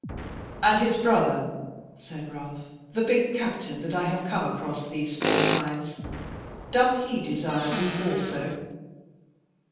"And his brother," said Ralph, "the big captain that I have come across these four times, doth he desire thee also?"